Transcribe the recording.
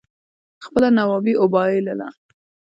خپله نوابي اوبائلله